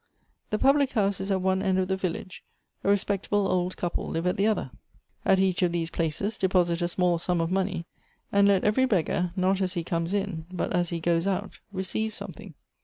The public house is at one end of the village, a respectable old couple live at the other. At each of these places deposit a small sum of money, and let every beggar, not as he comes in, but as he goes out, receive something.